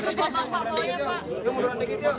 udah mau jual pakaian pak